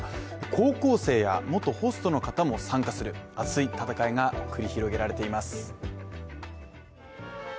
高校生や元ホストの方も参加する熱い戦いが繰り広げられています。